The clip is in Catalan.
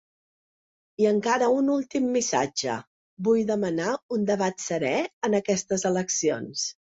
I encara un últim missatge: Vull demanar un debat serè en aquestes eleccions.